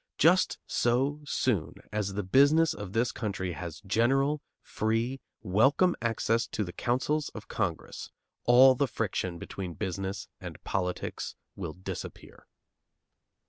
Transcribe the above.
Just so soon as the business of this country has general, free, welcome access to the councils of Congress, all the friction between business and politics will disappear.